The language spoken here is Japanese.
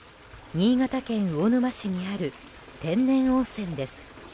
新潟県魚沼市にある天然温泉です。